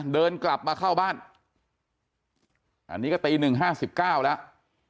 เดินกลับมาเข้าบ้านอันนี้ก็ตีหนึ่งห้าสิบเก้าแล้ว